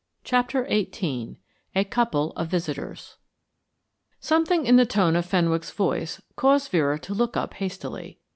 CHAPTER XVIII A COUPLE OF VISITORS Something in the tone of Fenwick's voice caused Vera to look up hastily.